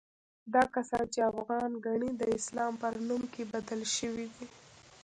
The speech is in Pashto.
دا کسان چې افغان ګڼي، د اسلام پر نوم کې بدل شوي دي.